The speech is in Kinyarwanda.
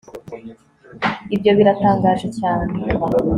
ibyo biratangaje cyane